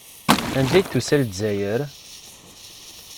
Anda ay d-tusa Lezzayer?